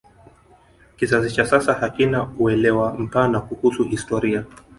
kizazi cha sasa hakina uelewa mpana kuhusu historia